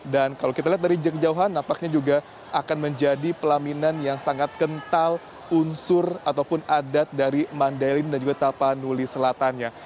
dan kalau kita lihat dari jauh jauhan nampaknya juga akan menjadi pelaminan yang sangat kental unsur ataupun adat dari mandiling dan juga tapah nuli selatannya